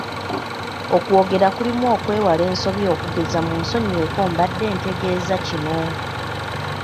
Okwogera kulimu okwewala ensobi okugeza munsonyiweko mbadde ntegeeza kino.